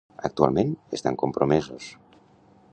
"Actualment, estan compromesos"